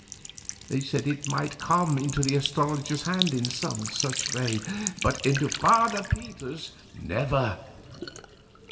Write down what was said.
They said it might have come into the astrologer's hands in some such way, but into Father Peter's, never!